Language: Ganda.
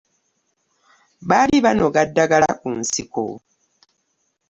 Baali banoga ddagala ku nsiko.